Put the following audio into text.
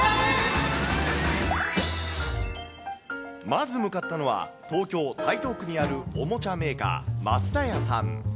まず向かったのは、東京・台東区にあるおもちゃメーカー、増田屋さん。